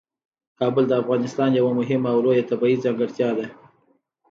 کابل د افغانستان یوه مهمه او لویه طبیعي ځانګړتیا ده.